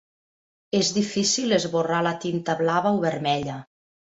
És difícil esborrar la tinta blava o vermella.